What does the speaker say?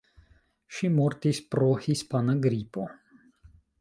Ŝi mortis pro hispana gripo.